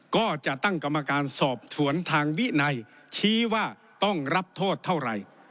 ก็จะตั้งกรรมการสอบสวนทางวินัยชี้ว่าต้องรับโทษเท่าไหร่